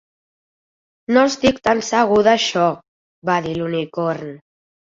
"No estic tan segur d'això", va dir l'unicorn.